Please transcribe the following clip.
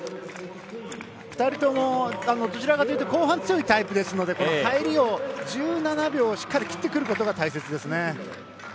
２人ともどちらかというと後半強いタイプですので入りを１７秒しっかり切ってくることが大切ですね。